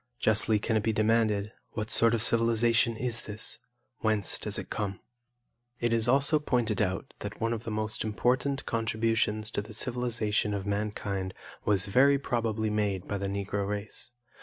Justly can it be demanded 'What sort of civilization is this? Whence does it come?'" It is also pointed out that one of the most important contributions to the civilization of mankind was very probably made by the Negro race.